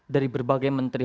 dari berbagai menteri